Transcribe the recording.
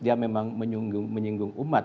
dia memang menyinggung umat